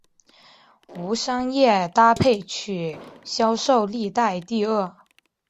无商业搭配曲销售历代第二。